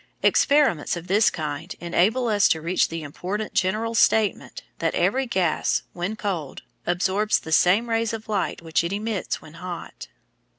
Experiments of this kind enable us to reach the important general statement that every gas, when cold, absorbs the same rays of light which it emits when hot.